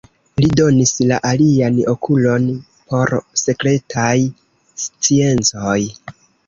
Li donis la alian okulon por sekretaj sciencoj.